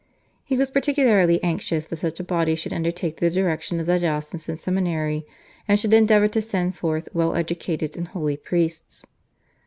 he was particularly anxious that such a body should undertake the direction of the diocesan seminary, and should endeavour to send forth well educated and holy priests.